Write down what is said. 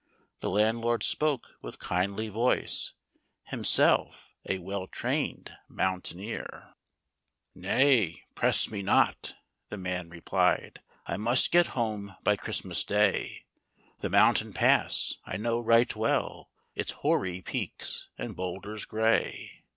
The landlord spoke with kindly voice, Himself a well trained mountaineer. HECTOR , THE DOG. " Nay, press me not," the man replied; " I must get home by Christmas day, The mountain pass I know right well, Its hoary peaks and bould ers gray.